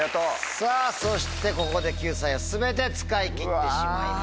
さぁそしてここで救済を全て使い切ってしまいました。